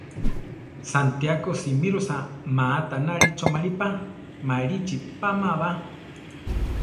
Santiáko simírosa má aʼtanáli choʼmalí pa, malíchi páma ba.